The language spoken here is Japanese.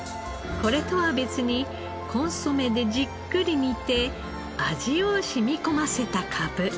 これとは別にコンソメでじっくり煮て味を染み込ませたかぶ。